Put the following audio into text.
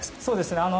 そうですね。